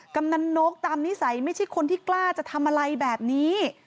กำนันนกตามนิสัยไม่ใช่คนที่กล้าจะทำอะไรแบบนี้